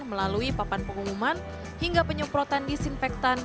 melalui papan pengumuman hingga penyemprotan disinfektan